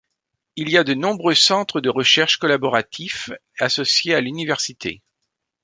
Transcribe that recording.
Il y a de nombreux centres de recherche collaboratifs associés à l'université.